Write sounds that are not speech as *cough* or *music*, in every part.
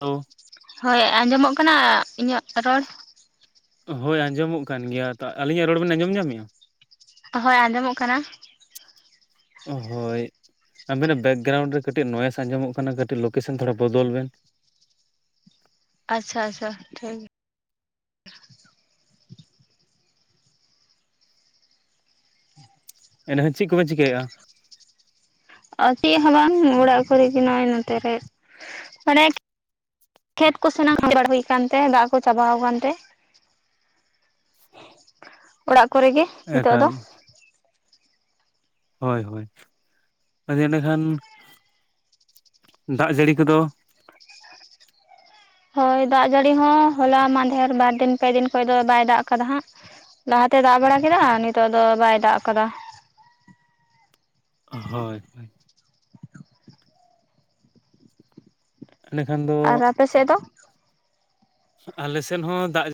Hello ᱦᱳᱭ ᱟᱸᱡᱚᱢᱚᱜ ᱠᱟᱱᱟ ᱤᱧᱟᱹᱜ ᱨᱚᱲ? ᱦᱳᱭ ᱟᱸᱡᱚᱢᱚᱜ ᱠᱟᱱ ᱜᱮᱭᱟ, ᱛᱚ ᱟᱹᱞᱤᱧᱟᱜ ᱨᱚᱲ ᱵᱮᱱ ᱟᱸᱡᱚᱢ ᱧᱟᱢᱮᱜᱼᱟ? ᱦᱳᱭ ᱟᱸᱡᱚᱢᱚᱜ ᱠᱟᱱᱟ ᱾ ᱦᱳᱭ ᱟᱵᱤᱱᱟᱜ ᱵᱮᱠᱜᱨᱟᱣᱩᱱᱰ ᱨᱮ ᱠᱟᱹᱴᱤᱡ ᱱᱚᱣᱮᱥ ᱟᱸᱡᱚᱢᱚᱜ ᱠᱟᱱᱟ ᱠᱟᱹᱴᱤᱡ ᱞᱳᱠᱮᱥᱚᱱ ᱛᱷᱚᱲᱟ ᱵᱚᱫᱚᱞ ᱵᱮᱱ ᱾ ᱟᱪᱪᱷᱟ ᱟᱪᱪᱷᱟ, ᱴᱷᱤᱠ ᱜᱮᱭᱟ ᱾ ᱮᱱᱦᱚᱸ ᱪᱮᱫ ᱠᱚᱵᱮᱱ ᱪᱤᱠᱟᱹᱭᱮᱫᱼᱟ? ᱟᱨ ᱪᱮᱫ ᱦᱚᱸ ᱵᱟᱝ ᱚᱲᱟᱜ ᱠᱚᱨᱮ ᱜᱮ ᱱᱚᱜᱼᱚᱭ ᱱᱚᱛᱮ ᱨᱮ ᱢᱟᱱᱮ ᱠᱷᱮᱛ ᱠᱚᱥᱱᱟᱜ ᱦᱩᱭ ᱵᱟᱲᱟ ᱦᱩᱭ ᱟᱠᱟᱱ ᱛᱮ ᱫᱟᱜ ᱠᱚ ᱪᱟᱵᱟ ᱟᱠᱟᱱ ᱛᱮ ᱾ *inaudible* ᱚᱲᱟᱜ ᱠᱚᱨᱮ ᱜᱮ ᱾ ᱮᱠᱟᱞ ᱾ ᱦᱳᱭ ᱦᱳᱭ *inaudible* ᱟᱫᱚ ᱮᱸᱰᱮᱠᱷᱟᱱ *inaudible* ᱫᱟᱜ ᱡᱟᱹᱲᱤ ᱠᱚᱫᱚ ᱦᱳᱭ ᱫᱟᱜ ᱡᱟᱹᱲᱤ ᱦᱚᱸ ᱦᱚᱞᱟ ᱢᱟᱫᱷᱮᱨ ᱵᱟᱨ ᱫᱤᱱ ᱯᱮ ᱫᱤᱱ ᱠᱷᱚᱡ ᱫᱚ ᱵᱟᱭ ᱫᱟᱜ ᱟᱠᱟᱫᱟ ᱦᱟᱸᱜ ᱾ ᱞᱟᱦᱟ ᱛᱮᱭ ᱫᱟᱜ ᱵᱟᱲᱟ ᱠᱮᱫᱟ ᱱᱤᱛᱚᱜ ᱫᱚ ᱵᱟᱭ ᱫᱟᱜ ᱟᱠᱟᱫᱟ᱾ ᱦᱳᱭ ᱾ ᱛᱟᱦᱚᱞᱮ ᱠᱷᱟᱱ ᱫᱚ ᱟᱨ ᱟᱯᱮ ᱥᱮᱫ ᱫᱚ? ᱟᱞᱮ ᱥᱮᱫ ᱦᱚᱸ ᱫᱟᱜ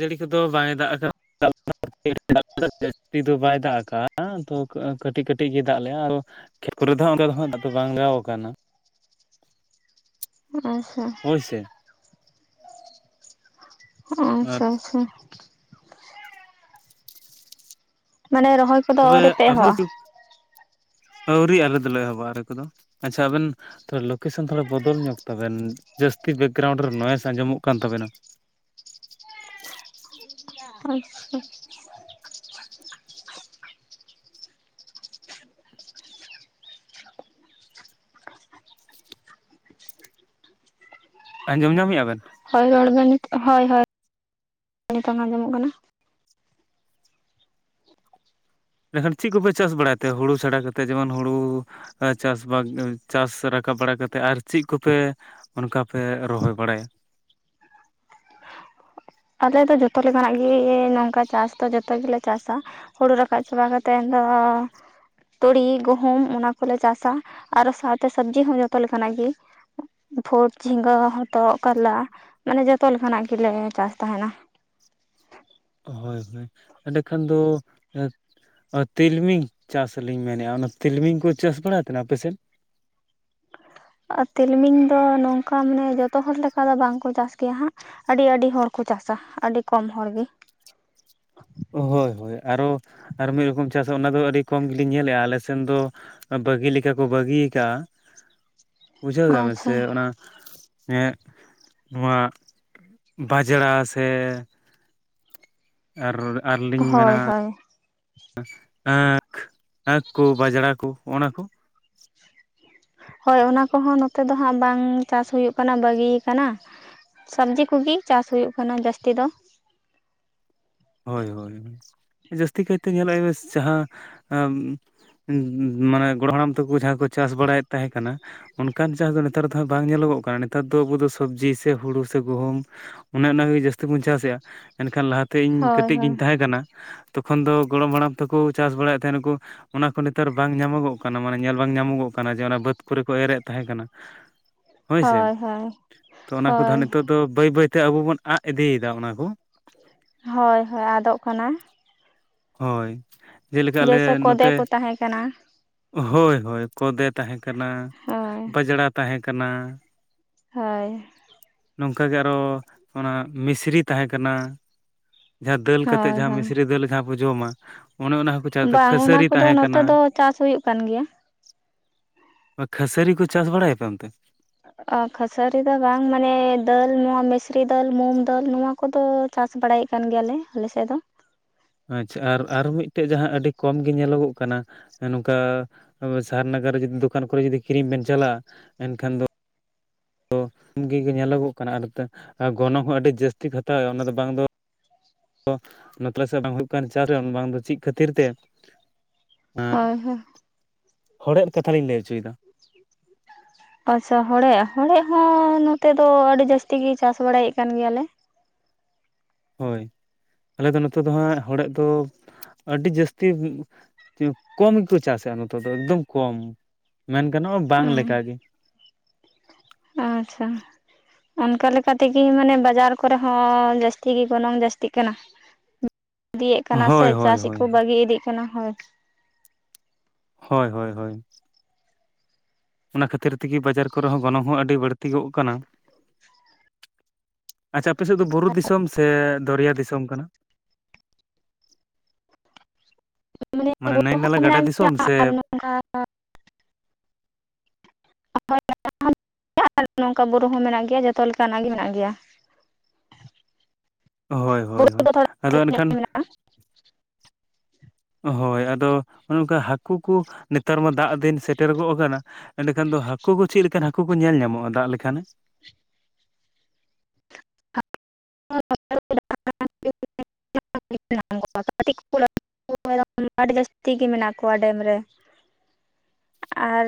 ᱡᱟᱹᱲᱤ ᱠᱚᱫᱚ ᱵᱟᱭ ᱫᱟᱜ ᱟᱠᱟᱫᱟ *unintelligible* *unintelligible* ᱡᱟᱹᱥᱛᱤ ᱫᱚ ᱵᱟᱭ ᱫᱟᱜ ᱟᱠᱟᱫᱼᱟ, ᱛᱚ ᱠᱟᱹᱴᱤᱡ ᱠᱟᱹᱴᱤᱡ ᱜᱮᱭ ᱫᱟᱜ ᱞᱮᱜᱼᱟ ᱾ ᱠᱷᱮᱛ ᱠᱚᱨᱮ ᱫᱚ ᱦᱟᱜ ᱚᱱᱠᱟ ᱫᱚ ᱦᱟᱜ ᱫᱟᱜ ᱫᱚ ᱵᱟᱝ ᱞᱟᱜᱟᱣ ᱟᱠᱟᱱᱟ ᱾ ᱟᱪᱪᱷᱟ ᱾ ᱦᱩᱭ ᱥᱮ ᱾ *inaudible* ᱚ ᱟᱪᱪᱷᱟ ᱟᱪᱪᱷᱟ ᱾ ᱢᱟᱱᱮ ᱨᱚᱦᱚ ᱛᱚᱵᱮ *unintelligible* ᱟᱣᱨᱤ ᱟᱞᱮ ᱫᱚᱞᱮ ᱮᱦᱚᱵᱟ ᱟᱞᱮ ᱠᱚᱫᱚ, ᱟᱪᱪᱷᱟ ᱟᱵᱮᱱ ᱛᱚ ᱞᱳᱠᱮᱥᱚᱱ ᱛᱷᱚᱲᱟ ᱵᱚᱫᱚᱞ ᱧᱚᱜᱽ ᱛᱟᱵᱮᱱ, ᱡᱟᱹᱥᱛᱤ ᱵᱮᱠᱜᱨᱟᱣᱩᱱᱰ ᱨᱮᱱᱟᱜ ᱱᱚᱭᱮᱥ ᱟᱸᱡᱚᱢᱚᱜ ᱠᱟᱱ ᱛᱟᱵᱮᱱᱟ᱾ ᱟᱪᱪᱷᱟ᱾ ᱟᱸᱡᱚᱢ ᱧᱟᱢᱮᱜᱼᱟ ᱵᱮᱱ? ᱦᱚᱭ ᱨᱚᱲ ᱵᱮᱱ ᱱᱤᱛᱚᱜ ᱦᱚᱭ ᱦᱚᱭ ᱱᱤᱛᱚᱝ ᱟᱸᱡᱚᱢᱚᱜ ᱠᱟᱱᱟ ᱾ ᱮᱸᱰᱮᱠᱷᱟᱱ ᱪᱤᱜ ᱠᱚᱯᱮ ᱪᱟᱥ ᱵᱟᱲᱟᱭ ᱛᱮ? ᱦᱩᱲᱩ ᱪᱷᱟᱰᱟ ᱠᱟᱛᱮᱜ ᱡᱮᱢᱚᱱ ᱦᱩᱲᱩ ᱮ ᱪᱟᱥ *unintelligible* ᱚ ᱪᱟᱥ ᱨᱟᱠᱟᱵ ᱵᱟᱲᱟ ᱠᱟᱛᱮᱜ ᱟᱨ ᱪᱤᱜ ᱠᱚᱯᱮ ᱚᱱᱠᱟ ᱯᱮ ᱨᱚᱦᱚᱭ ᱵᱟᱲᱟᱭᱟ? ᱟᱞᱮ ᱫᱚ ᱡᱚᱛᱚ ᱞᱮᱠᱟᱱᱟᱜ ᱜᱮ ᱱᱚᱝᱠᱟ ᱪᱟᱥ ᱫᱚ ᱡᱚᱛᱚ ᱜᱮᱞᱮ ᱪᱟᱥᱟ ᱾ ᱦᱩᱲᱩ ᱨᱟᱠᱟᱵ ᱪᱟᱵᱟ ᱠᱟᱛᱮᱱ ᱫᱚᱻ ᱛᱩᱲᱤ ᱜᱩᱦᱩᱢ ᱚᱱᱟ ᱠᱚᱞᱮ ᱪᱟᱥᱟ ᱟᱨᱚ ᱥᱟᱶᱛᱮ ᱥᱟᱹᱵᱽᱡᱤ ᱦᱚᱸ ᱡᱚᱛᱚ ᱞᱮᱠᱟ ᱱᱟᱜ ᱜᱤ᱾ ᱩᱸ ᱯᱷᱩᱴ ᱡᱷᱤᱸᱜᱟᱹ ᱦᱚᱛᱚᱜ ᱠᱟᱨᱞᱟ ᱢᱟᱱᱮ ᱡᱚᱛᱚ ᱞᱮᱠᱟ ᱱᱟᱜ ᱜᱮᱞᱮ ᱪᱟᱥ ᱛᱟᱦᱮᱸᱱᱟ᱾ ᱦᱚᱭ ᱦᱚᱭ ᱮᱸᱰᱮᱠᱷᱟᱱ ᱫᱚ ᱮᱫ ᱚ ᱛᱤᱞᱢᱤᱧ ᱪᱟᱥ ᱞᱤᱧ ᱢᱮᱱᱮᱜᱼᱟ, ᱚᱱᱟ ᱛᱤᱞᱢᱤᱧ ᱠᱚ ᱪᱟᱥ ᱵᱟᱲᱟᱭ ᱛᱟᱦᱮᱱᱟ ᱟᱯᱮ ᱥᱮᱫ? ᱚ ᱛᱤᱞᱢᱤᱧ ᱫᱚ ᱱᱚᱝᱠᱟ ᱢᱟᱱᱮ ᱡᱚᱛᱚ ᱦᱚᱲ ᱞᱮᱠᱟ ᱫᱚ ᱵᱟᱝ ᱠᱚ ᱪᱟᱥ ᱜᱮᱭᱟ ᱦᱟᱸᱜ᱾ ᱟᱹᱰᱤ ᱟᱹᱰᱤ ᱦᱚᱲ ᱠᱚ ᱪᱟᱥᱟ ᱟᱹᱰᱤ ᱠᱚᱢ ᱦᱚᱲ ᱜᱤ᱾ ᱟ ᱦᱳᱭ ᱦᱳᱭ ᱟᱨᱚ ᱟᱨ ᱢᱤᱫ ᱨᱚᱠᱚᱢ ᱪᱟᱥ ᱚᱱᱟ ᱫᱚ ᱟᱹᱰᱤ ᱠᱚᱢ ᱜᱤᱞᱤᱧ ᱧᱮᱞᱮᱜᱼᱟ ᱟᱞᱮ ᱥᱮᱱ ᱫᱚ ᱟ ᱵᱟᱹᱜᱤ ᱞᱮᱠᱟ ᱠᱚ ᱵᱟᱹᱜᱤ ᱟᱠᱟᱜᱼᱟ᱾ *unintelligible* ᱵᱩᱡᱷᱟᱹᱣ ᱫᱟᱵᱮᱱ ᱟᱪᱪᱷᱟ ᱥᱮ ᱚᱱᱟ ᱮᱸᱜ ᱱᱚᱣᱟ ᱵᱟᱡᱽᱲᱟ ᱥᱮ ᱟᱨ ᱟᱨ ᱞᱤᱧ ᱢᱮᱱᱟ ᱦᱳᱭ ᱦᱳᱭ ᱟᱺ ᱟᱺᱠᱷ ᱠᱩ ᱵᱟᱡᱽᱲᱟ ᱠᱩ ᱚᱱᱟ ᱠᱩ? ᱦᱚᱭ ᱚᱱᱟ ᱠᱚᱦᱚᱸ ᱱᱚᱛᱮ ᱫᱚ ᱦᱟᱸᱜ ᱵᱟᱝ ᱪᱟᱥ ᱦᱩᱭᱩᱜ ᱠᱟᱱᱟ ᱵᱟᱹᱜᱤ ᱭᱟᱠᱟᱱᱟ᱾ ᱥᱟᱹᱵᱽᱡᱤ ᱠᱩᱜᱤ ᱪᱟᱥ ᱦᱩᱭᱩᱜ ᱠᱟᱱᱟ ᱡᱟᱹᱥᱛᱤ ᱫᱚ᱾ ᱦᱳᱭ ᱦᱳᱭ ᱡᱟᱹᱥᱛᱤ ᱠᱟᱭᱛᱮ ᱧᱮᱞᱚᱜᱼᱟ ᱳᱭ ᱡᱟᱦᱟᱸ ᱟᱢ ᱩᱸ ᱩᱢᱻ ᱢᱟᱱᱮ ᱜᱚᱲᱚᱢ ᱦᱟᱲᱟᱢ ᱛᱟᱹᱠᱩ ᱡᱟᱦᱟᱸ ᱠᱚ ᱪᱟᱥ ᱵᱟᱲᱟᱭ ᱛᱟᱦᱮᱸ ᱠᱟᱱᱟ᱾ ᱚᱱᱠᱟᱱ ᱪᱟᱥ ᱫᱚ ᱱᱮᱛᱟᱨ ᱫᱚ ᱦᱟᱸᱜ ᱵᱟᱝ ᱧᱮᱞᱚᱜᱚᱜ ᱠᱟᱱᱟ ᱱᱮᱛᱟᱨ ᱫᱚ ᱟᱹᱵᱩ ᱫᱚ ᱥᱚᱵᱽᱡᱤ ᱥᱮ ᱦᱩᱲᱩ ᱥᱮ ᱜᱳᱦᱳᱢ᱾ ᱚᱱᱮ ᱚᱱᱟ ᱜᱮ ᱡᱟᱹᱥᱛᱤ ᱵᱚᱱ ᱪᱟᱥᱮᱜᱼᱟ ᱮᱱᱠᱷᱟᱱ ᱞᱟᱦᱟ ᱛᱮ ᱤᱧ ᱦᱳᱭ ᱠᱟᱹᱴᱤᱡ ᱦᱳᱭ ᱜᱤᱧ ᱛᱟᱦᱮᱸ ᱠᱟᱱᱟ᱾ ᱛᱚᱠᱷᱚᱱ ᱫᱚ ᱜᱚᱲᱚᱢ ᱦᱟᱲᱟᱢ ᱛᱟᱹᱠᱩ ᱪᱟᱥ ᱵᱟᱲᱟᱭᱮᱜ ᱛᱟᱦᱮᱸ ᱱᱟᱠᱩ᱾ ᱚᱱᱟ ᱠᱚ ᱱᱮᱛᱟᱨ ᱵᱟᱝ ᱧᱟᱢᱚᱜᱚᱜ ᱠᱟᱱᱟ ᱢᱟᱱᱮ ᱧᱮᱞ ᱵᱟᱝ ᱧᱟᱢᱚᱜᱚᱜ ᱠᱟᱱᱟ ᱡᱮ ᱚᱱᱟ ᱵᱟᱹᱫᱛᱷ ᱠᱚᱨᱮ ᱠᱚ ᱮᱨᱮᱫ ᱛᱟᱦᱮᱸ ᱠᱟᱱᱟ᱾ ᱦᱳᱭᱥᱮ ᱦᱚᱭ ᱦᱚᱭ ᱛᱚ ᱚᱱᱟ ᱠᱚᱫᱚ ᱦᱟᱸᱜ ᱦᱚᱭ᱾ ᱱᱤᱛᱚᱜ ᱫᱚ ᱵᱟᱹᱭ ᱵᱟᱹᱭ ᱛᱮ ᱟᱹᱵᱩ ᱵᱚᱱ ᱟᱸᱜ ᱤᱫᱤᱭ ᱫᱟ ᱚᱱᱟ ᱠᱚ᱾ ᱦᱚᱭ ᱦᱚᱭ ᱟᱫᱚᱜ ᱠᱟᱱᱟ᱾ ᱦᱚᱭ ᱡᱮᱞᱮᱠᱟ ᱟᱞᱮ ᱡᱮᱭᱥᱮ ᱠᱚᱫᱮ ᱱᱚᱛᱮ ᱠᱚ ᱛᱟᱦᱮᱸ ᱠᱟᱱᱟ ᱦᱳᱭ ᱦᱳᱭ ᱠᱚᱫᱮ ᱛᱟᱦᱮᱸ ᱠᱟᱱᱟ ᱦᱳᱭ ᱵᱟᱡᱽᱲᱟ ᱛᱟᱦᱮᱸ ᱠᱟᱱᱟ᱾ ᱦᱚᱭ᱾ ᱱᱚᱝᱠᱟ ᱜᱮ ᱟᱨᱚ ᱚᱱᱟ ᱢᱤᱥᱨᱤ ᱛᱟᱦᱮᱸ ᱠᱟᱱᱟ᱾ ᱡᱟᱦᱟᱸ ᱫᱟᱹᱞ ᱠᱟᱛᱮᱜ ᱦᱳᱭ ᱡᱟᱦᱟᱸ ᱦᱳᱭ ᱢᱤᱥᱨᱤ ᱫᱟᱹᱞ ᱡᱟᱦᱟᱸ ᱵᱚ ᱡᱚᱢᱟ ᱚᱱᱮ ᱚᱱᱟ ᱦᱚᱸᱠᱚ ᱪᱟᱥ ᱮᱫᱟ, ᱵᱟᱝ ᱚᱱᱟ ᱠᱷᱟᱹᱥᱟᱹᱨᱤ ᱠᱚᱫᱚ ᱛᱟᱦᱮᱸ ᱱᱚᱛᱮ ᱠᱟᱱᱟ ᱫᱚ ᱪᱟᱥ ᱦᱩᱭᱩᱜ ᱠᱟᱱ ᱜᱮᱭᱟ᱾ ᱟ ᱠᱷᱟᱹᱥᱟᱹᱨᱤ ᱠᱚ ᱪᱟᱥ ᱵᱟᱲᱟᱭᱟ ᱯᱮ ᱚᱱᱛᱮ? ᱚ ᱠᱷᱟᱹᱥᱟᱹᱨᱤ ᱫᱚ ᱵᱟᱝ ᱢᱟᱱᱮ ᱫᱟᱹᱞ ᱱᱚᱣᱟ ᱢᱤᱥᱨᱤ ᱫᱟᱹᱞ ᱢᱩᱢ ᱫᱟᱹᱞ ᱱᱚᱣᱟ ᱠᱚᱫᱚ ᱪᱟᱥ ᱵᱟᱲᱟᱭᱮᱜ ᱠᱟᱱ ᱜᱮᱭᱟ ᱞᱮ ᱟᱞᱮ ᱥᱮᱜ ᱫᱚ᱾ ᱟᱪᱪᱷᱟ ᱟᱨ ᱟᱨ ᱢᱤᱫᱴᱮᱡ ᱡᱟᱦᱟᱸ ᱟᱹᱰᱤ ᱠᱚᱢ ᱜᱤ ᱧᱮᱞᱚᱜᱚᱜ ᱠᱟᱱᱟ᱾ ᱮ ᱱᱚᱝᱠᱟ ᱚᱻ ᱥᱟᱦᱟᱨ ᱱᱟᱜᱟᱨ ᱨᱮ ᱡᱩᱫᱤ ᱫᱚᱠᱟᱱ ᱠᱚᱨᱮ ᱡᱩᱫᱤ ᱠᱤᱨᱤᱧ ᱵᱮᱱ ᱪᱟᱞᱟᱜ-ᱟ ᱮᱱᱠᱷᱟᱱ ᱫᱚ ᱛᱚ ᱚᱢ‌ ᱜᱤ ᱜᱮ ᱧᱮᱞᱚᱜᱚᱜ ᱠᱟᱱᱟ ᱟᱨ ᱱᱚᱛᱮ ᱟᱨ ᱜᱚᱱᱚᱝ ᱦᱚᱸ ᱟᱹᱰᱤ ᱡᱟᱹᱥᱛᱤ ᱠᱩ ᱦᱟᱛᱟᱣᱮᱜᱼᱟ ᱚᱱᱟ ᱫᱚ ᱵᱟᱝ ᱫᱚ ᱚ ᱚᱱᱟ ᱛᱟ ᱞᱮ ᱥᱮᱜ ᱵᱟᱝ ᱦᱩᱭᱩᱜ ᱠᱟᱱ ᱪᱟᱞ ᱵᱟᱝ ᱫᱚ ᱪᱤᱜ ᱠᱷᱟᱹᱛᱤᱨ ᱛᱮ! ᱟᱸᱜ ᱦᱳᱭ ᱦᱳᱭ ᱦᱚᱲᱮᱫ ᱠᱟᱛᱷᱟ ᱞᱤᱧ ᱞᱟᱹᱭ ᱚᱪᱩᱭ ᱫᱟ᱾ *inaudible* ᱟᱪᱪᱷᱟ ᱦᱚᱲᱮᱜ ᱦᱚᱲᱮᱜ ᱦᱚᱸ ᱱᱚᱛᱮ ᱫᱚ ᱟᱹᱰᱤ ᱡᱟᱹᱥᱛᱤ ᱜᱤ ᱪᱟᱥ ᱵᱟᱲᱟᱭᱮᱜ ᱠᱟᱱ ᱜᱮᱭᱟ ᱞᱮ᱾ ᱦᱳᱭ ᱟᱞᱮ ᱫᱚ ᱱᱚᱛᱮ ᱫᱚ ᱦᱟᱸᱜ ᱦᱚᱲᱮᱜ ᱫᱚ ᱟᱹᱰᱤ ᱡᱟᱹᱥᱛᱤ ᱠᱚᱢ ᱜᱮᱠᱚ ᱪᱟᱥᱟ ᱱᱚᱛᱮ ᱫᱚ ᱮᱠᱫᱚᱢ ᱠᱚᱢ᱾ ᱢᱮᱱ ᱜᱟᱱᱚᱜᱼᱟ ᱵᱟᱝ ᱦᱩᱸ ᱞᱮᱠᱟᱜ ᱜᱮ᱾ ᱟᱪᱪᱷᱟ᱾ ᱚᱱᱠᱟ ᱞᱮᱠᱟ ᱛᱮᱜᱮ ᱢᱟᱱᱮ ᱵᱟᱡᱟᱨ ᱠᱚᱨᱮ ᱦᱚᱸ ᱡᱟᱹᱥᱛᱤ ᱜᱮ ᱜᱚᱱᱚᱝ ᱡᱟᱹᱥᱛᱤᱜ ᱠᱟᱱᱟ᱾ ᱤᱫᱤᱭᱮᱜ ᱠᱟᱱᱟ ᱥᱮ ᱦᱳᱭ ᱦᱳᱭ ᱪᱟᱥᱜᱮ ᱦᱳᱭ ᱠᱚ ᱵᱟᱹᱜᱤ ᱤᱫᱤᱜ ᱠᱟᱱᱟ ᱦᱳᱭ ᱦᱳᱭ ᱦᱳᱭ ᱦᱳᱭ ᱚᱱᱟ ᱠᱷᱟᱹᱛᱤᱨ ᱛᱮᱜᱮ ᱵᱟᱡᱟᱨ ᱠᱚᱨᱮ ᱦᱚᱸ ᱜᱚᱱᱚᱝ ᱦᱚᱸ ᱟᱹᱰᱤ ᱵᱟᱹᱲᱛᱤ ᱠᱚᱜ ᱠᱟᱱᱟ᱾ ᱟᱪᱪᱷᱟ ᱟᱯᱮ ᱥᱮᱫ ᱫᱚ ᱵᱩᱨᱩ ᱫᱤᱥᱚᱢ ᱥᱮ ᱫᱚᱨᱭᱟ ᱫᱤᱥᱚᱢ ᱠᱟᱱᱟ? ᱢᱟᱱᱮ ᱵᱩᱨᱩ ᱱᱟᱹᱭ ᱦᱚᱸ ᱱᱟᱞᱟ ᱜᱟᱰᱟ ᱢᱮᱱᱟᱜ ᱜᱮᱭᱟ ᱫᱤᱥᱚᱢ ᱥᱮ ᱟᱨ ᱱᱚᱸᱠᱟᱼᱼ *unintelligible* *unintelligible* ᱱᱚᱝᱠᱟ ᱵᱩᱨᱩ ᱦᱚᱸ ᱢᱮᱱᱟᱜ ᱜᱮᱭᱟ ᱡᱚᱛᱚ ᱞᱮᱠᱟᱱᱟᱜ ᱜᱮ ᱢᱮᱱᱟᱜ ᱜᱮᱭᱟ᱾ ᱦᱳᱭ ᱵᱩᱨᱩ ᱦᱳᱭ ᱦᱚᱭ ᱫᱚ ᱛᱷᱚᱲᱟ ᱟᱫᱚ ᱮᱱᱠᱷᱟᱱ ᱢᱮᱱᱟᱜᱼᱟ ᱦᱳᱭ ᱟᱫᱚᱼᱼ ᱚᱱᱮ ᱚᱱᱠᱟ ᱦᱟᱹᱠᱩ ᱠᱚ ᱱᱮᱛᱟᱨ ᱢᱟ ᱫᱟᱜ ᱫᱤᱱ ᱥᱮᱴᱮᱨ ᱜᱚᱜ ᱠᱟᱱᱟ᱾ ᱮᱸᱱᱟᱹ ᱠᱷᱟᱱ ᱫᱚ ᱦᱟᱹᱠᱩ ᱠᱚ ᱪᱮᱫ ᱞᱮᱠᱟᱱ ᱦᱟᱹᱠᱩ ᱠᱚ ᱧᱮᱞ ᱧᱟᱢᱚᱜᱼᱟ ᱫᱟᱜ ᱞᱮᱠᱷᱟᱱᱮ? *unintelligible* *unintelligible* ᱟᱹᱰᱤ ᱡᱟᱹᱥᱛᱤ ᱜᱮ ᱢᱮᱱᱟᱜ ᱠᱚᱣᱟ ᱰᱮᱢ ᱨᱮ ᱟᱨ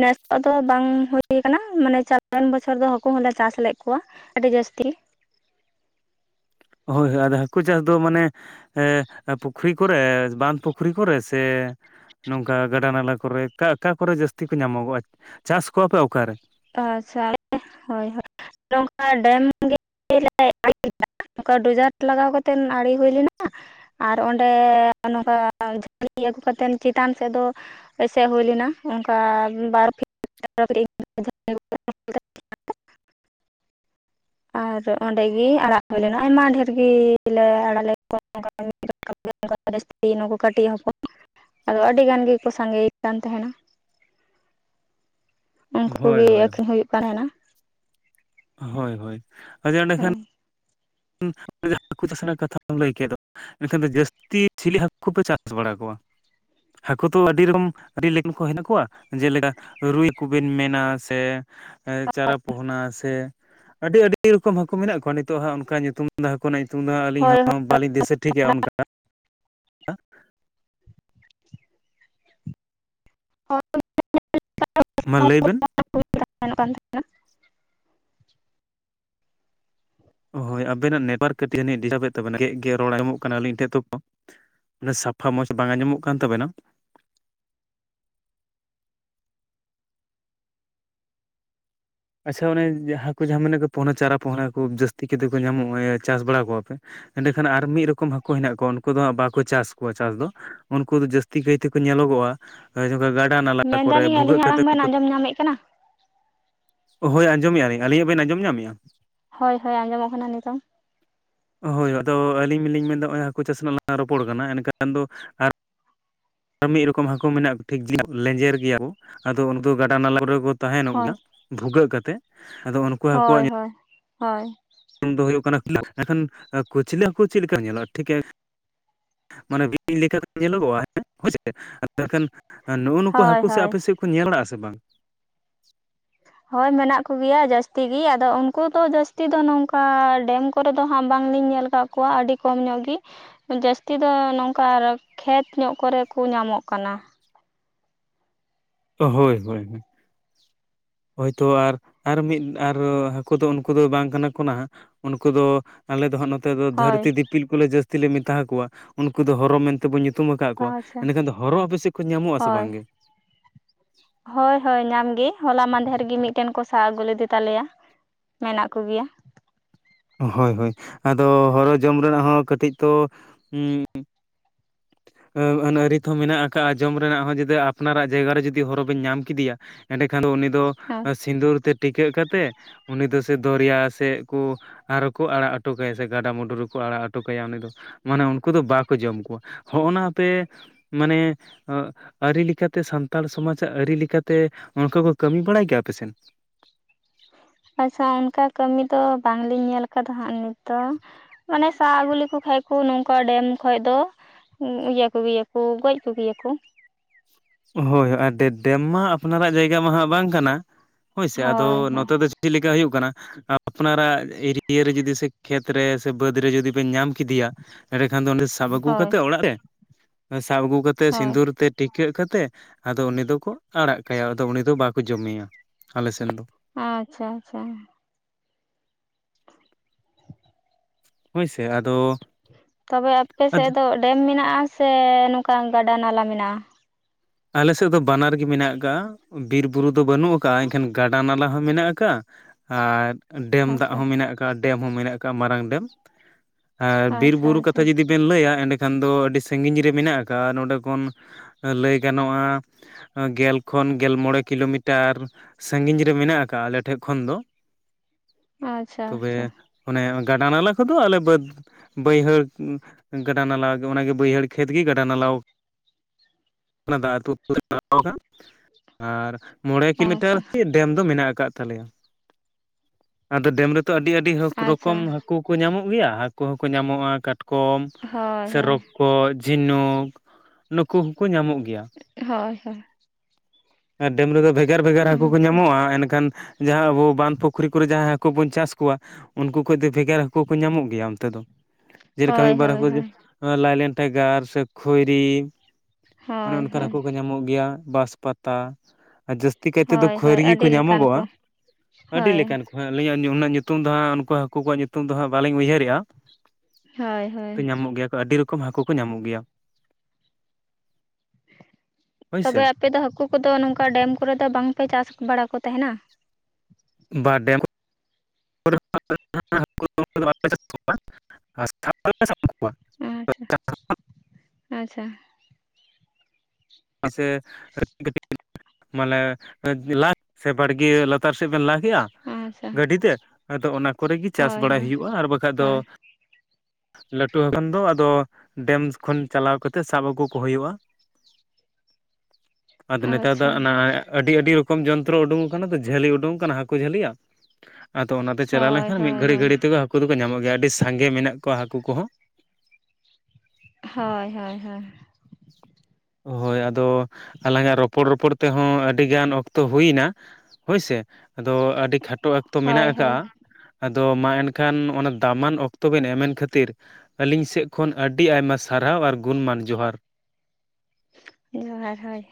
ᱱᱮᱥ ᱫᱚ ᱵᱟᱝ ᱦᱩᱭ ᱟᱠᱟᱱᱟ ᱢᱟᱱᱮ ᱪᱟᱞᱟᱣᱮᱱ ᱵᱚᱪᱷᱚᱨ ᱫᱚ ᱦᱟᱹᱠᱩ ᱦᱚᱞᱮ ᱪᱟᱥ ᱞᱮᱫ ᱠᱚᱣᱟ᱾ ᱟᱹᱰᱤ ᱡᱟᱹᱥᱛᱤ᱾ ᱦᱳᱭ ᱦᱳᱭ ᱟᱫᱚ ᱦᱟᱹᱠᱩ ᱪᱟᱥ ᱫᱚ ᱢᱟᱱᱮᱼᱼ ᱦᱮᱸ ᱯᱩᱠᱷᱨᱤ ᱠᱚᱨᱮ ᱵᱟᱸᱫ ᱯᱩᱠᱷᱨᱤ ᱠᱚᱨᱮ ᱥᱮᱼᱼ ᱱᱚᱝᱠᱟ ᱜᱟᱰᱟ ᱱᱟᱞᱟ ᱠᱚᱨᱮ ᱚᱠᱟ ᱠᱚᱨᱮ ᱡᱟᱹᱥᱛᱤ ᱠᱚ ᱧᱟᱢᱚᱜᱚᱜᱼᱟ ᱪᱟᱥ ᱠᱚᱣᱟ ᱯᱮ ᱚᱠᱟᱨᱮ? ᱟᱪᱪᱷᱟ ᱦᱳᱭ ᱦᱳᱭ ᱱᱚᱝᱠᱟ ᱰᱮᱢ ᱜᱮ, *unintelligible* ᱱᱚᱝᱠᱟ ᱰᱩᱡᱟᱨ ᱠᱚ ᱞᱟᱜᱟᱣ ᱠᱟᱛᱮᱫ ᱟᱲᱮ ᱦᱩᱭ ᱞᱮᱱᱟ᱾ ᱟᱨ ᱚᱸᱰᱮ ᱱᱚᱝᱠᱟ ᱡᱷᱟᱹᱞᱤ ᱟᱹᱜᱩ ᱠᱟᱛᱮᱫ ᱪᱮᱛᱟᱱ ᱥᱮᱫ ᱫᱚ, ᱮᱥᱮᱫ ᱦᱩᱭ ᱞᱮᱱᱟ ᱚᱱᱠᱟ ᱵᱟᱨᱚ *unintelligible* *inaudible* ᱟᱨ ᱚᱸᱰᱮᱜᱤ ᱟᱲᱟᱜ ᱦᱩᱭ ᱞᱮᱱᱟ ᱟᱭᱢᱟ ᱰᱷᱮᱨ ᱜᱮᱞᱮ ᱟᱲᱟᱜ ᱞᱮ ᱠᱚᱜᱟ *unintelligible* ᱤᱥᱛᱨᱤ ᱱᱩᱠᱩ ᱠᱟᱹᱴᱤᱡ ᱦᱚᱯᱚᱱ ᱟᱫᱚ ᱟᱹᱰᱤ ᱜᱟᱱ ᱜᱮᱠᱚ ᱥᱟᱸᱜᱮ ᱟᱠᱟᱱ ᱛᱟᱦᱮᱱᱟ᱾ ᱩᱱᱠᱩ ᱦᱳᱭ ᱜᱮ ᱦᱳᱭ ᱟᱠᱷᱨᱤᱧ ᱦᱩᱭᱩᱜ ᱠᱟᱱ ᱛᱟᱦᱮᱱᱟ᱾ ᱦᱳᱭ ᱦᱳᱭ ᱟ ᱮᱸᱰᱮᱠᱷᱟᱱ ᱦᱟᱹᱠᱩ ᱪᱟᱥ ᱨᱮᱱᱟᱜ ᱠᱟᱛᱷᱟᱢ *inaudible* ᱞᱟᱹᱭ ᱠᱮᱫ ᱫᱚ ᱢᱮᱱᱱᱠᱷᱟᱱ ᱫᱚ ᱡᱟᱹᱥᱛᱤ ᱪᱤᱞᱤ ᱦᱟᱹᱠᱩ ᱠᱚ ᱯᱮ ᱪᱟᱥ ᱵᱟᱲᱟ ᱠᱚᱣᱟ? ᱦᱟᱹᱠᱩ ᱛᱚ ᱟᱹᱰᱤ ᱨᱚᱠᱚᱢ ᱟᱹᱰᱤ ᱞᱮᱠᱟᱱ ᱠᱚ ᱦᱮᱱᱟᱜ ᱠᱚᱣᱟ ᱡᱮᱞᱮᱠᱟᱼᱼ ᱨᱩᱭ ᱠᱚ ᱵᱮᱱ ᱢᱮᱱᱟ ᱥᱮᱼᱼ ᱪᱟᱨᱟ ᱯᱚᱦᱚᱱᱟ ᱥᱮ ᱟᱹᱰᱤ ᱟᱹᱰᱤ ᱨᱚᱠᱚᱢ ᱦᱟᱹᱠᱩ ᱢᱮᱱᱟᱜ ᱠᱚᱣᱟ ᱱᱤᱛᱳᱜ ᱦᱟᱸᱜ ᱚᱱᱠᱟ ᱧᱩᱛᱩᱢᱼᱼ ᱦᱟᱹᱠᱩ ᱨᱮᱱᱟᱜ ᱧᱩᱛᱩᱢ ᱫᱚ ᱟᱹᱞᱤᱧ ᱦᱳᱭ ᱦᱳᱭ ᱦᱚᱸ ᱵᱟᱞᱤᱧ ᱫᱤᱥᱟᱹ ᱴᱷᱤᱠᱮᱼᱟ ᱚᱱᱠᱟ᱾ ᱢᱟ ᱞᱟᱹᱭ ᱵᱮᱱ? *unintelligible* ᱛᱟᱦᱮᱱᱟ ᱦᱳᱭ ᱟᱵᱮᱱᱟᱜ ᱱᱮᱴᱣᱟᱨᱠ ᱠᱟᱹᱴᱤᱡ ᱟᱹᱱᱤᱡ ᱰᱤᱥᱴᱟᱵᱮᱫ ᱛᱟᱵᱮᱱᱟ ᱜᱮ ᱜᱮ ᱨᱚᱲ ᱟᱸᱡᱚᱢᱚᱜ ᱠᱟᱱᱟ ᱟᱹᱞᱤᱧ ᱴᱷᱮᱡ ᱛᱚᱠᱚ ᱢᱟᱱᱮ ᱥᱟᱯᱷᱟ ᱢᱚᱸᱡᱽ ᱵᱟᱝ ᱟᱸᱡᱚᱢᱚᱜ ᱠᱟᱱ ᱛᱟᱵᱮᱱᱟ᱾ ᱟᱪᱪᱷᱟ ᱚᱱᱮ ᱡᱟᱦᱟᱸ ᱠᱚ ᱡᱟᱦᱟᱸ ᱢᱮᱱᱟᱜ ᱠᱚᱣᱟ ᱯᱳᱦᱱᱟ ᱪᱟᱨᱟ ᱯᱚᱦᱱᱟ ᱠᱚ ᱡᱟᱹᱥᱛᱤ ᱠᱟᱛᱮᱫ ᱠᱚ ᱧᱟᱢᱚᱜᱼᱟ ᱪᱟᱥ ᱵᱟᱲᱟ ᱠᱚᱣᱟ ᱯᱮ ᱮᱸᱱᱮᱠᱷᱟᱱ ᱟᱨ ᱢᱤᱫ ᱨᱚᱠᱚᱢ ᱦᱟᱹᱠᱩ ᱦᱮᱱᱟᱜ ᱠᱚᱣᱟ ᱩᱱᱠᱩ ᱫᱚ ᱵᱟᱠᱚ ᱪᱟᱥ ᱠᱚᱣᱟ ᱪᱟᱥ ᱫᱚ ᱩᱱᱠᱩ ᱫᱚ ᱡᱟᱹᱥᱛᱤ ᱠᱟᱭᱛᱮᱠᱚ ᱧᱮᱞᱚᱜᱚᱜᱼᱟ ᱜᱟᱰᱟ ᱱᱟᱞᱟ ᱠᱚᱨᱮ ᱢᱮᱱᱫᱟᱞᱤᱧ ᱵᱷᱩᱜᱟᱹ ᱟᱹᱞᱤᱧᱟᱜ ᱟᱲᱟᱝ ᱠᱟᱛᱮᱫ ᱵᱮᱱ ᱠᱚᱼᱼ ᱟᱸᱡᱚᱢ ᱧᱟᱢᱮᱫ ᱠᱟᱱᱟ ᱦᱳᱭ ᱟᱸᱡᱚᱢᱮᱫᱼᱟ ᱞᱤᱧ ᱟᱹᱞᱤᱧᱟᱜ ᱵᱮᱱ ᱟᱸᱡᱚᱢ ᱧᱟᱢᱮᱜᱼᱟ? ᱦᱳᱭ ᱦᱳᱭ ᱟᱸᱡᱚᱢᱚᱜ ᱠᱟᱱᱟ ᱱᱤᱛᱚᱝ ᱦᱳᱭ ᱟᱫᱚ ᱟᱹᱞᱤᱧᱞᱤᱧ ᱢᱮᱱᱫᱟ ᱱᱚᱜᱚᱭ ᱦᱟᱹᱠᱩ ᱪᱟᱥ ᱨᱮᱱᱟᱜ ᱞᱟᱝᱝ ᱨᱚᱯᱚᱲ ᱠᱟᱱᱟ ᱮᱱᱠᱷᱟᱱ ᱫᱚ ᱟᱨᱼᱼ ᱟᱨ ᱢᱤᱫ ᱨᱚᱠᱚᱢ ᱦᱟᱹᱠᱩ ᱢᱮᱱᱟᱜ ᱠᱚ ᱴᱷᱤᱠ ᱜᱮᱭᱟ ᱞᱮᱧᱡᱮᱨ ᱜᱮᱭᱟ ᱠᱚ ᱟᱫᱚ ᱩᱱᱠᱩ ᱫᱚ ᱜᱟᱰᱟ ᱱᱟᱞᱟ ᱠᱚᱨᱮ ᱠᱚ ᱛᱟᱦᱮᱱᱚᱜ ᱦᱳᱭ ᱜᱮᱭᱟ᱾ ᱵᱷᱩᱜᱟᱹᱜ ᱠᱟᱛᱮᱫ ᱟᱫᱚᱼᱼ ᱦᱳᱭ ᱦᱳᱭ ᱦᱳᱭ᱾ ᱧᱩᱛᱩᱢ ᱫᱚ ᱦᱩᱭᱩᱜ ᱠᱟᱱᱟ ᱮᱱᱠᱷᱟᱱ ᱠᱩᱪᱞᱟᱹ ᱦᱟᱠᱚ ᱪᱮᱫ ᱞᱮᱠᱟ ᱧᱮᱞᱚᱜᱼᱟ ᱴᱷᱤᱠᱮᱭᱟ᱾ ᱢᱟᱱᱮ ᱵᱤᱧ ᱞᱮᱠᱟ ᱠᱚ ᱧᱮᱞᱚᱜᱚᱜᱼᱟ ᱦᱮᱸ ᱦᱳᱭ ᱥᱮ᱾ ᱢᱮᱱᱠᱷᱟᱱ ᱱᱩᱜᱼᱩᱸ ᱱᱩᱠᱩ ᱦᱳᱭ ᱦᱟᱹᱠᱩ ᱥᱮᱫ ᱦᱳᱭ ᱟᱯᱮ ᱥᱮᱫ ᱠᱚ ᱧᱮᱞ ᱵᱟᱲᱟᱜᱼᱟ ᱥᱮ ᱵᱟᱝ? ᱦᱳᱭ ᱢᱮᱱᱟᱜ ᱠᱚ ᱜᱮᱭᱟ ᱡᱟᱹᱥᱛᱤ ᱜᱤ, ᱟᱫᱚ ᱩᱱᱠᱩ ᱫᱚ ᱡᱟᱹᱥᱛᱤ ᱫᱚ ᱱᱚᱝᱠᱟ ᱰᱮᱢ ᱠᱚᱨᱮ ᱫᱚ ᱦᱟᱸᱜ ᱵᱟᱝᱞᱤᱧ ᱧᱮᱞ ᱟᱠᱟᱫ ᱠᱚᱣᱟ ᱟᱹᱰᱤ ᱠᱚᱢ ᱧᱚᱜ ᱜᱤ᱾ ᱡᱟᱹᱥᱛᱤ ᱫᱚ ᱱᱚᱝᱠᱟ ᱠᱷᱮᱛ ᱧᱚᱜ ᱠᱚᱨᱮ ᱠᱚ ᱧᱟᱢᱚᱜ ᱠᱟᱱᱟ᱾ ᱦᱳᱭ ᱦᱳᱭ ᱦᱳᱭ, ᱦᱳᱭ ᱛᱚ ᱟᱨ ᱟᱨ ᱢᱤᱫ ᱟᱨ ᱦᱟᱹᱠᱩ ᱫᱚ ᱩᱱᱠᱩ ᱫᱚ ᱵᱟᱝ ᱠᱟᱱᱟ ᱠᱚ ᱱᱟᱦᱟᱸᱜ᱾ ᱩᱱᱠᱩ ᱫᱚ ᱟᱞᱮ ᱫᱚ ᱦᱟᱸᱜ ᱱᱚᱛᱮ ᱫᱚ ᱦᱳᱭ ᱫᱷᱟᱹᱨᱛᱤ ᱫᱤᱯᱤᱞ ᱠᱚᱞᱮ ᱡᱟᱹᱥᱛᱤ ᱞᱮ ᱢᱮᱛᱟᱦ ᱠᱚᱣᱟ᱾ ᱩᱱᱠᱩ ᱫᱚ ᱦᱚᱨᱚ ᱢᱮᱱᱛᱮ ᱛᱮᱵᱚᱱ ᱧᱩᱛᱩᱢ ᱟᱠᱟᱫ ᱠᱚᱣᱟ᱾ ᱟᱪᱪᱷᱟ ᱮᱸᱰᱮᱠᱷᱟᱱ ᱫᱚ ᱦᱚᱨᱚ ᱟᱯᱮ ᱥᱮᱫ ᱠᱚ ᱧᱟᱢᱚᱜᱼᱟ ᱥᱮ ᱦᱳᱭ ᱵᱟᱝᱜᱮ? ᱦᱳᱭ ᱦᱳᱭ ᱧᱟᱢ ᱜᱮ᱾ ᱦᱚᱞᱟ ᱢᱟᱱᱫᱽᱦᱮᱨ ᱜᱮ ᱢᱤᱫᱴᱮᱱ ᱠᱚ ᱥᱟᱵ ᱟᱹᱜᱩ ᱞᱮᱫᱮ ᱛᱟᱞᱮᱭᱟ, ᱢᱮᱱᱟᱜ ᱠᱚ ᱜᱮᱭᱟ᱾ ᱦᱳᱭ ᱦᱳᱭ ᱟᱫᱚ ᱦᱚᱨᱚ ᱡᱚᱢ ᱨᱮᱱᱟᱜ ᱦᱚᱸ ᱠᱟᱹᱴᱤᱡ ᱛᱚ, *inaudible* ᱟᱹᱱ-ᱟᱹᱨᱤ ᱛᱚ ᱦᱚᱸ ᱢᱮᱱᱟᱜ ᱟᱠᱟᱫᱼᱟ, ᱡᱚᱢ ᱨᱮᱱᱟᱜ ᱦᱚᱸ ᱡᱩᱫᱤ ᱟᱯᱱᱟᱨᱟᱜ ᱡᱟᱭᱜᱟ ᱨᱮ ᱡᱩᱫᱤ ᱦᱚᱨᱚ ᱵᱤᱱ ᱧᱟᱢ ᱠᱮᱫᱮᱭᱟ ᱮᱸᱰᱮᱠᱷᱟᱱ ᱫᱚ ᱩᱱᱤ ᱫᱚ, ᱦᱳᱭ ᱥᱤᱸᱫᱩᱨ ᱛᱮ ᱴᱤᱠᱟᱹᱜ ᱠᱟᱛᱮᱜ ᱩᱱᱤ ᱫᱚ ᱥᱮ ᱫᱚᱨᱭᱟ ᱥᱮᱫ ᱠᱚ ᱟᱨ ᱦᱚᱸ ᱠᱚ ᱟᱲᱟᱜ ᱚᱴᱚ ᱠᱟᱭᱟ ᱥᱮ ᱜᱟᱰᱟᱼᱢᱩᱰᱩ ᱨᱮᱠᱚ ᱟᱲᱟᱜ ᱚᱴᱚ ᱠᱟᱭᱟ ᱩᱱᱤ ᱫᱚ᱾ ᱢᱟᱱᱮ ᱩᱱᱠᱩ ᱫᱚ ᱵᱟᱠᱚ ᱡᱚᱢ ᱠᱚᱣᱟ, ᱦᱚᱜ ᱚᱱᱟ ᱦᱚᱯᱮ ᱢᱟᱱᱮ ᱟᱹᱨᱤ ᱞᱮᱠᱟᱛᱮ ᱥᱟᱱᱛᱟᱲ ᱥᱚᱢᱟᱡᱟᱜ ᱟᱹᱨᱤ ᱞᱮᱠᱟᱛᱮ ᱚᱝᱠᱟ ᱠᱚ ᱠᱟᱹᱢᱤ ᱵᱟᱲᱟᱭ ᱜᱮᱭᱟ ᱟᱯᱮ ᱥᱮᱱ? ᱟᱪᱪᱷᱟ ᱚᱱᱠᱟ ᱠᱟᱹᱢᱤ ᱫᱚ ᱵᱟᱝᱞᱤᱧ ᱧᱮᱞ ᱠᱟᱫᱟ ᱦᱟᱸᱜ ᱱᱤᱛ ᱫᱚ᱾ ᱢᱟᱱᱮ ᱥᱟᱵ ᱟᱹᱜᱩ ᱞᱮᱠᱚ ᱠᱷᱟᱡ ᱠᱚ ᱱᱚᱝᱠᱟ ᱰᱮᱢ ᱠᱷᱚᱡ ᱫᱚ, ᱤᱭᱟᱹᱠᱚ ᱜᱮᱭᱟ ᱠᱚ ᱜᱚᱡᱽ ᱠᱚ ᱜᱤᱭᱟ ᱠᱚ᱾ ᱦᱳᱭ ᱦᱳᱭ ᱟᱨ ᱰᱮᱢ ᱢᱟ ᱟᱯᱱᱟᱨᱟᱜ ᱡᱟᱭᱜᱟ ᱢᱟ ᱦᱟᱸᱜ ᱵᱟᱝ ᱠᱟᱱᱟ, ᱦᱳᱭ ᱥᱮ ᱟᱫᱚ ᱱᱚᱛᱮ ᱫᱚ ᱡᱮᱞᱮᱠᱟ ᱦᱩᱭᱩᱜ ᱠᱟᱱᱟ? ᱟᱯᱱᱟᱨᱟᱜ ᱮᱨᱤᱭᱟ ᱨᱮ ᱡᱩᱫᱤ ᱥᱮ ᱠᱷᱮᱛ ᱨᱮ ᱥᱮ ᱵᱟᱹᱫᱽ ᱨᱮ ᱡᱩᱫᱤ ᱵᱮᱱ ᱧᱟᱢ ᱠᱮᱫᱮᱭᱟ, ᱮᱸᱰᱮᱠᱷᱟᱱ ᱫᱚ ᱚᱸᱰᱮ ᱥᱟᱵ ᱟᱹᱜᱩ ᱦᱳᱭ ᱠᱟᱛᱮᱜ ᱚᱲᱟᱜ ᱨᱮ ᱥᱟᱵ ᱟᱹᱜᱩ ᱠᱟᱛᱮᱜ ᱦᱳᱭ ᱥᱤᱸᱫᱩᱨ ᱛᱮ ᱴᱤᱠᱟᱹᱜ ᱠᱟᱛᱮ, ᱛᱮ ᱟᱫᱚ ᱩᱱᱤ ᱫᱚᱠᱚ ᱟᱲᱟᱜ ᱠᱟᱭᱟ᱾ ᱟᱫᱚ ᱩᱱᱤ ᱫᱚ ᱵᱟᱠᱚ ᱡᱚᱢᱮᱭᱟ ᱟᱞᱮ ᱥᱮᱱ ᱫᱚ᱾ ᱟᱪᱪᱷᱟ ᱟᱪᱪᱷᱟ᱾ ᱦᱳᱭ ᱥᱮ ᱟᱫᱚ ᱛᱚᱵᱮ ᱟᱯᱮ ᱥᱮᱫ ᱫᱚ ᱰᱮᱢ ᱢᱮᱱᱟᱜᱼᱟ, ᱥᱮ ᱱᱚᱝᱠᱟ ᱜᱟᱰᱟ, ᱱᱟᱞᱟ ᱢᱮᱱᱟᱜᱼᱟ? ᱟᱞᱮ ᱥᱮᱫ ᱫᱚ ᱵᱟᱱᱟᱨ ᱜᱮ ᱢᱮᱱᱟᱜ ᱟᱠᱟᱫᱼᱟ, ᱵᱤᱨ ᱵᱩᱨᱩ ᱫᱚ ᱵᱟᱹᱱᱩᱜ ᱟᱠᱟᱫᱼᱟ, ᱮᱱᱠᱷᱟᱱ ᱜᱟᱰᱟ, ᱱᱟᱞᱟ ᱦᱚᱸ ᱢᱮᱱᱟᱜ ᱟᱠᱟᱜᱼᱟ ᱟᱨ ᱰᱮᱢ ᱫᱟᱜ ᱟᱪᱪᱷᱟ ᱦᱚᱸ ᱢᱮᱱᱟᱜ ᱟᱨ ᱰᱮᱢ ᱦᱚᱸ ᱢᱮᱱᱟᱜ ᱟᱠᱟᱫᱼᱟ ᱢᱟᱨᱟᱝ ᱰᱮᱢ, ᱟᱨ ᱵᱤᱨ ᱟᱪᱪᱷᱟ ᱵᱩᱨᱩ ᱟᱪᱪᱷᱟ ᱠᱟᱛᱷᱟ ᱡᱩᱫᱤ ᱵᱮᱱ ᱞᱟᱹᱭᱟ ᱮᱸᱰᱮᱠᱷᱟᱱ ᱫᱚ ᱟᱹᱰᱤ ᱥᱟᱺᱜᱤᱧ ᱨᱮ ᱢᱮᱱᱟᱜ ᱟᱠᱟᱜᱼᱟ, ᱱᱚᱸᱰᱮ ᱠᱷᱚᱱ ᱞᱟᱹᱭ ᱜᱟᱱᱚᱜᱼᱟ ᱜᱮᱞ ᱠᱷᱚᱱ ᱜᱮᱞ ᱢᱚᱬᱮ ᱠᱤᱞᱳᱢᱤᱴᱟᱨ᱾ ᱥᱟᱺᱜᱤᱧ ᱨᱮ ᱢᱮᱱᱟᱜ ᱟᱠᱟᱫᱼᱟ ᱟᱞᱮ ᱴᱷᱮᱱ ᱠᱷᱚᱱ ᱫᱚ, ᱟᱪᱪᱷᱟ ᱛᱚᱵᱮ ᱚᱱᱮ ᱜᱟᱰᱟ ᱱᱟᱞᱟ ᱠᱚᱫᱚ ᱟᱞᱮ ᱵᱟᱹᱫᱽ ᱵᱟᱹᱭᱦᱟᱹᱲ ᱜᱟᱰᱟ ᱱᱟᱞᱟ ᱚᱱᱟᱜᱮ ᱵᱟᱹᱭᱦᱟᱹᱲ ᱠᱷᱮᱛ ᱜᱮ ᱜᱟᱰᱟ ᱱᱟᱞᱟᱣ ᱚᱱᱟ ᱫᱟᱜ ᱟᱹᱛᱩ *unintelligible* ᱟᱨ ᱢᱚᱬᱮ ᱠᱤᱞᱳᱢᱤᱴᱟᱨ ᱟᱪᱪᱷᱟ ᱟᱪᱪᱷᱟ ᱰᱮᱢ ᱫᱚ ᱢᱮᱱᱟᱜ ᱟᱠᱟᱫ ᱛᱟᱞᱮᱭᱟ᱾ ᱟᱫᱚ ᱰᱮᱢ ᱨᱮ ᱛᱚ ᱟᱹᱰᱤ ᱟᱹᱰᱤ ᱟᱪᱪᱷᱟ ᱨᱚᱠᱚᱢ ᱦᱟᱹᱠᱩ ᱦᱟᱹᱠᱩ ᱠᱚ ᱧᱟᱢᱚᱜ ᱜᱮᱭᱟ ᱦᱟᱹᱠᱩ ᱦᱚᱸ ᱠᱚ ᱧᱟᱢᱚᱜᱼᱟ᱾ ᱠᱟᱴᱠᱚᱢ ᱦᱳᱭ ᱥᱮ ᱨᱚ ᱦᱳᱭ ᱠᱚ ᱡᱷᱤᱱᱩᱠ ᱱᱩᱠᱩ ᱦᱚᱸ ᱠᱚ ᱧᱟᱢᱚᱜ ᱜᱮᱭᱟ᱾ ᱦᱳᱭ ᱦᱳᱭ᱾ ᱦᱮᱸ ᱰᱮᱢ ᱨᱮᱫᱚ ᱵᱷᱮᱜᱟᱨ-ᱵᱷᱮᱜᱟᱨ ᱦᱟᱹᱠᱩ ᱠᱚ ᱟᱪᱪᱷᱟ ᱧᱟᱢᱚᱜᱼᱟ ᱮᱱᱠᱷᱟᱱ ᱡᱟᱦᱟᱸ ᱟᱵᱚ ᱵᱟᱸᱫᱷ ᱯᱩᱠᱷᱨᱤ ᱠᱚᱨᱮ ᱡᱟᱦᱟᱸ ᱦᱟᱹᱠᱩ ᱵᱚᱱ ᱪᱟᱥ ᱠᱚᱣᱟ, ᱩᱱᱠᱩ ᱠᱷᱚᱡ ᱫᱚ ᱵᱷᱮᱜᱟᱨ ᱦᱟᱹᱠᱩ ᱠᱚ ᱧᱟᱢᱚᱜ ᱜᱮᱭᱟ ᱚᱱᱛᱮ ᱫᱚ, ᱡᱮᱞᱮᱠᱟ ᱦᱳᱭ ᱢᱤᱫ ᱵᱟᱨ ᱦᱳᱭ ᱦᱟᱹᱠᱩ ᱫᱚ ᱦᱳᱭ ᱮᱸ ᱞᱟᱭᱞᱮᱱ ᱴᱟᱭᱜᱟᱨ ᱥᱮ ᱠᱷᱩᱭᱨᱤ ᱚᱱᱮ ᱦᱳᱭ ᱚᱱᱠᱟᱱ ᱦᱳᱭ ᱦᱟᱹᱠᱩ ᱠᱚ ᱧᱟᱢᱚᱜ ᱜᱮᱭᱟ, ᱵᱟᱥ ᱯᱟᱛᱟ ᱡᱟᱹᱥ- ᱛᱤ ᱠᱟᱭᱛᱮ ᱫᱚ ᱦᱳᱭ ᱦᱳᱭ ᱠᱷᱩᱭᱨᱤ ᱜᱮ ᱠᱚ ᱟᱹᱰᱤ ᱞᱮᱠᱟᱱ ᱧᱟᱢᱚᱜᱚᱜᱼᱟ, ᱠᱚ ᱟᱹᱰᱤ ᱦᱳᱭ ᱞᱮᱠᱟᱱ ᱠᱚ᱾ ᱦᱮᱸ ᱟᱹᱞᱤᱧ ᱟᱹᱧᱩ ᱩᱱᱟᱹᱜ ᱧᱩᱛᱩᱢ ᱫᱚ ᱦᱟᱸᱜ ᱩᱱᱠᱩ ᱦᱟᱹᱠᱩ ᱠᱚᱣᱟᱜ ᱧᱩᱛᱩᱢ ᱫᱚ ᱦᱟᱸᱜ ᱵᱟᱹᱞᱤᱧ ᱩᱭᱦᱟᱹᱨᱮᱜᱼᱟ᱾ ᱦᱳᱭ ᱦᱳᱭ ᱛᱮ ᱧᱟᱢᱚᱜ ᱜᱮᱭᱟ ᱠᱚ ᱟᱹᱰᱤ ᱨᱚᱠᱚᱢ ᱦᱟᱹᱠᱩ ᱠᱚ ᱧᱟᱢᱚᱜ ᱜᱮᱭᱟ᱾ ᱛᱚᱵᱮ ᱦᱳᱭᱥᱮ ᱟᱯᱮ ᱫᱚ ᱦᱟ. ᱠᱩ ᱠᱚᱫᱚ ᱱᱚᱝᱠᱟ ᱰᱮᱢ ᱠᱚᱨᱮ ᱫᱚ ᱵᱟᱝ ᱯᱮ ᱪᱟᱥᱠ ᱵᱟᱲᱟ ᱠᱚ ᱛᱟᱦᱮᱸᱱᱟ? ᱵᱟ ᱰᱮᱢ *unintelligible* *unintelligible* ᱥᱟᱵ ᱠᱚᱣᱟ᱾ ᱟᱪᱪᱷᱟ, ᱟᱪᱪᱷᱟ᱾ ᱢᱟᱥᱮ ᱠᱟᱹᱴᱤᱡ ᱠᱟᱹᱴᱤᱡ *unintelligible* ᱢᱟᱞᱮ ᱮᱸ ᱞᱟᱥ ᱵᱟᱲᱜᱮ ᱞᱟᱛᱟᱨ ᱥᱮᱫ ᱵᱮᱱ ᱞᱟᱭ- ᱠᱮᱜᱼᱟ ᱟᱪᱪᱷᱟ ᱜᱟᱹᱰᱤ ᱛᱮ, ᱟᱫᱚ ᱚᱱᱟ ᱠᱚᱨᱮ ᱜᱤ ᱪᱟᱥ ᱦᱳᱭ ᱵᱟᱲᱟᱭ ᱦᱳᱭ ᱦᱩᱭᱩᱜᱼᱟ, ᱟᱨ ᱵᱟᱠᱷᱟᱡ ᱫᱚ ᱦᱳᱭ ᱞᱟᱹᱴᱩ ᱦᱟᱠᱟᱱ ᱫᱚ ᱟᱫᱚ ᱰᱮᱢᱥ ᱠᱷᱚᱱ ᱪᱟᱞᱟᱣ ᱠᱟᱛᱮᱜ ᱥᱟᱵ ᱟᱹᱜᱩ ᱠᱚ ᱦᱩᱭᱩᱜᱼᱟ᱾ ᱟᱫᱚ ᱱᱮᱛᱟᱨ ᱫᱚ ᱟᱪᱪᱷᱟ ᱚᱱᱟ ᱟᱹᱰᱤ ᱟᱹᱰᱤ ᱨᱚᱠᱚᱢ ᱡᱚᱱᱛᱨᱚ ᱩᱰᱩᱝ ᱟᱠᱟᱱᱟ ᱛᱚ ᱡᱷᱟᱹᱞᱤ ᱩᱰᱩᱝ ᱟᱠᱟᱱᱟ, ᱦᱟᱹᱠᱩ ᱡᱷᱟᱹᱞᱤᱭᱟᱜ᱾ ᱟᱫᱚ ᱚᱱᱟᱛᱮ ᱪᱟᱞᱟᱣ ᱦᱳᱭ ᱞᱮᱱᱠᱷᱟᱱ ᱢᱤᱫ ᱦᱳᱭ ᱜᱷᱟᱹᱲᱤ ᱦᱳᱭ ᱜᱷᱟᱹᱲᱤ ᱛᱮᱜᱮ ᱦᱟᱹᱠᱩ ᱫᱚᱠᱚ ᱧᱟᱢᱚᱜ ᱜᱮᱭᱟ, ᱟᱹᱰᱤ ᱥᱟᱸᱜᱮ ᱢᱮᱱᱟᱜ ᱠᱚᱣᱟ ᱦᱟᱹᱠᱩ ᱠᱚᱦᱚᱸ᱾ ᱦᱳᱻᱭ ᱦᱳᱭ ᱦᱳᱭ᱾ ᱦᱳᱻᱭ ᱟᱫᱚ ᱟᱞᱟᱝᱼᱟᱜ ᱨᱚᱯᱚᱲ ᱨᱚᱯᱚᱲ ᱛᱮᱦᱚᱸ ᱟᱹᱰᱤᱜᱟᱱ ᱚᱠᱛᱚ ᱦᱩᱭ ᱮᱱᱟ, ᱦᱳᱭᱥᱮ ᱟᱫᱚ ᱟᱹᱰᱤ ᱠᱷᱟᱴᱚ ᱮᱠᱛᱚ ᱢᱮᱱᱟᱜ ᱦᱳᱭ ᱦᱳᱭ ᱟᱠᱟᱜᱼᱟ, ᱟᱫᱚ ᱢᱟ ᱮᱱᱠᱷᱟᱱ ᱚᱱᱟ ᱫᱟᱢᱟᱱ ᱚᱠᱛᱚ ᱵᱤᱱ ᱮᱢᱮᱱ ᱠᱷᱟᱹᱛᱤᱨ ᱟᱹᱞᱤᱧ ᱥᱮᱜ ᱠᱷᱚᱱ ᱟᱹᱰᱤ ᱟᱭᱢᱟ ᱥᱟᱨᱦᱟᱣ ᱟᱨ ᱜᱩᱱᱢᱟᱱ ᱡᱚᱦᱟᱨ᱾ ᱦᱮᱸ ᱡᱚᱦᱟᱨ ᱦᱳᱭ᱾